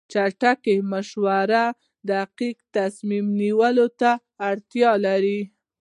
چټک مشورې دقیق تصمیم نیولو ته اړتیا لري.